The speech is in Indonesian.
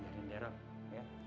jangan jangan nero